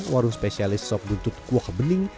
warung spesialis sop buntut kuah bening